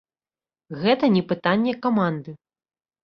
Гэта не пытанне каманды.